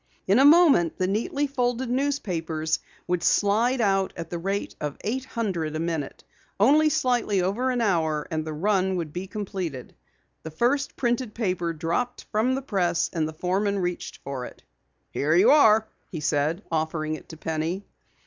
In a moment the neatly folded newspapers would slide out at the rate of eight hundred a minute. Only slightly over an hour and the run would be completed. The first printed paper dropped from the press, and the foreman reached for it. "Here you are," he said, offering it to Penny.